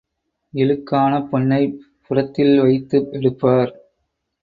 இழுக்கான பொன்னைப் புடத்தில் வைத்து எடுப்பார்.